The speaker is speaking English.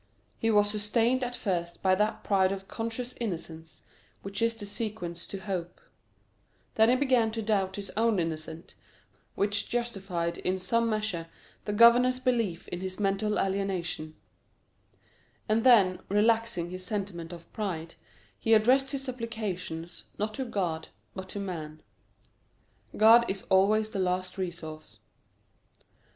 He was sustained at first by that pride of conscious innocence which is the sequence to hope; then he began to doubt his own innocence, which justified in some measure the governor's belief in his mental alienation; and then, relaxing his sentiment of pride, he addressed his supplications, not to God, but to man. God is always the last resource.